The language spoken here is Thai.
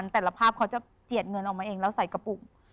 แต่ละภาพเขาจะเจียดเงินออกมาเองแล้วใส่กระปุก